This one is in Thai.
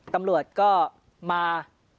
ตำรวจก็มา